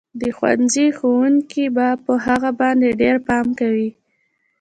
د ښوونځي ښوونکي به په هغه باندې ډېر پام کوي